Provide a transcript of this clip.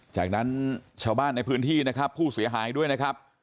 จากนั้นชาวบ้านในพื้นที่นะครับผู้เสียหายด้วยนะครับ